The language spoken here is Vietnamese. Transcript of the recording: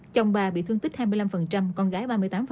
chồng bà bị thương tích hai mươi năm con gái ba mươi tám